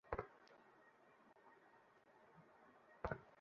আপনি দ্রুত ওখান থেকে সরে যান!